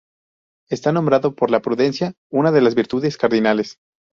Está nombrado por la prudencia, una de las virtudes cardinales.